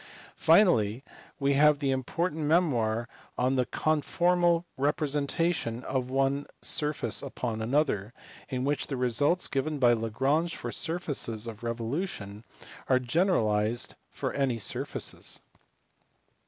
Finally we have the important memoir on the conformal representation of one surface upon another, in which the results given by Lagrange for surfaces of revolution are generalized for any surfaces.